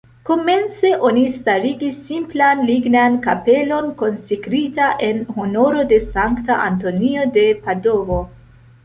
Komence oni starigis simplan lignan kapelon konsekrita en honoro de Sankta Antonio de Padovo.